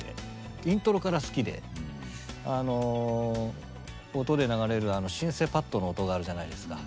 イントロから好きであの音で流れるあのシンセパッドの音があるじゃないですか。